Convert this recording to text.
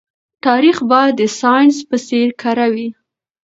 تاريخ بايد د ساينس په څېر کره وي.